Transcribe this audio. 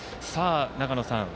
長野さん